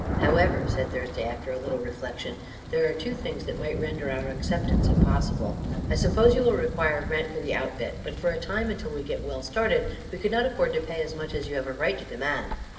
"However," said Thursday, after a little reflection, "there are two things that might render our acceptance impossible. I suppose you will require rent for the outfit; but for a time, until we get well started, we could not afford to pay as much as you have a right to demand."